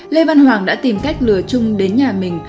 lê văn hoàng đã tìm cách lừa trung đến nhà mình